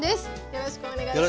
よろしくお願いします。